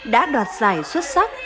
đã đoạt giải xuất sắc